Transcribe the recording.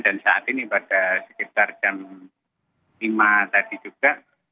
dan saat ini pada sekitar jam lima tadi juga